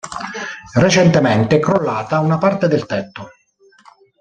Recentemente è crollata una parte del tetto.